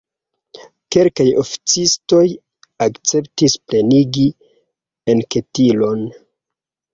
Kelkaj oficistoj akceptis plenigi enketilon.